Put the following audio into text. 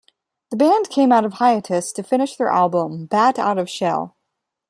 The band came out of hiatus to finish their album "Bat Out of Shell".